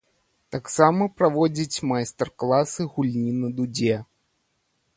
Таксама праводзіць майстар-класы гульні на дудзе.